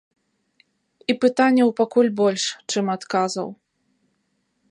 І пытанняў пакуль больш, чым адказаў.